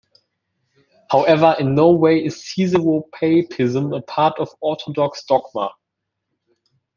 However, in no way is caesaropapism a part of Orthodox dogma.